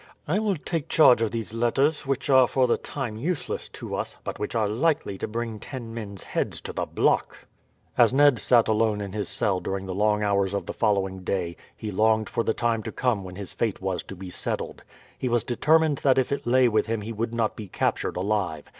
I will take charge of these letters, which are for the time useless to us, but which are likely to bring ten men's heads to the block." As Ned sat alone in his cell during the long hours of the following day he longed for the time to come when his fate was to be settled. He was determined that if it lay with him he would not be captured alive.